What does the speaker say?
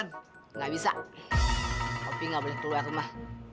nggak bisa opi nggak boleh keluar rumah